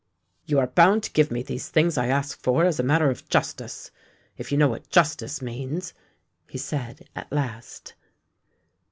'* You are bound to g^ve me these things I ask for, as a matter of justice — if you know what justice means," he said at last.